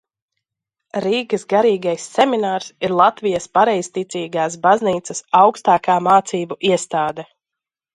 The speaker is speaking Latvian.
Rīgas Garīgais seminārs ir Latvijas Pareizticīgās baznīcas augstākā mācību iestāde.